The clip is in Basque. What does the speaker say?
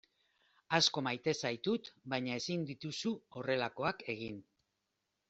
Asko maite zaitut baina ezin dituzu horrelakoak egin.